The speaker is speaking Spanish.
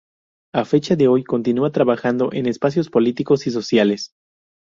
A fecha de hoy continúa trabajando en espacios políticos y sociales.